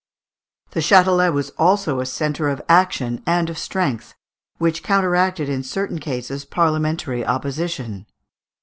The Châtelet was also a centre of action and of strength, which counteracted in certain cases parliamentary opposition.